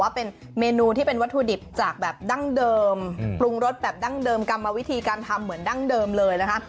เป็นเมนูที่เป็นวัตถุดิบจากแบบดั้งเดิมปรุงรสแบบดั้งเดิมกรรมวิธีการทำเหมือนดั้งเดิมเลยนะคะ